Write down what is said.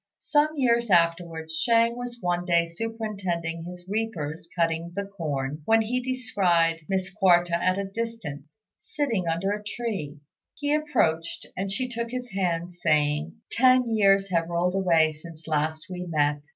Some years afterwards Shang was one day superintending his reapers cutting the corn, when he descried Miss Quarta at a distance, sitting under a tree. He approached, and she took his hand, saying, "Ten years have rolled away since last we met.